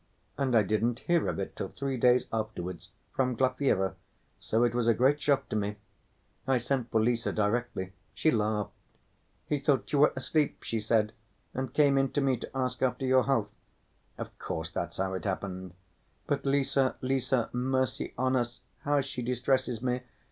And I didn't hear of it till three days afterwards, from Glafira, so it was a great shock to me. I sent for Lise directly. She laughed. 'He thought you were asleep,' she said, 'and came in to me to ask after your health.' Of course, that's how it happened. But Lise, Lise, mercy on us, how she distresses me!